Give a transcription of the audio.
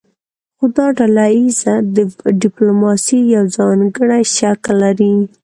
خو دا ډله ایزه ډیپلوماسي یو ځانګړی شکل لري